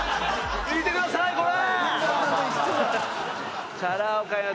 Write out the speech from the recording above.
「見てくださいこれ！」